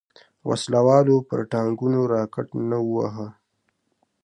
وسله والو پر ټانګونو راکټ نه وواهه.